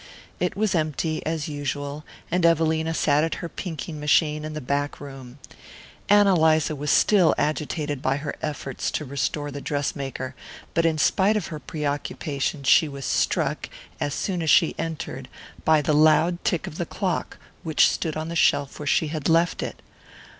It was empty, as usual, and Evelina sat at her pinking machine in the back room. Ann Eliza was still agitated by her efforts to restore the dress maker, but in spite of her preoccupation she was struck, as soon as she entered, by the loud tick of the clock, which still stood on the shelf where she had left it.